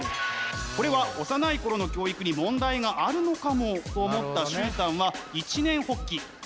これは幼い頃の教育に問題があるのかもと思った崇さんは一念発起。